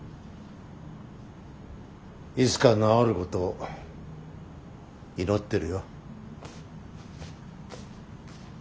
いつか治ることを祈ってるよ。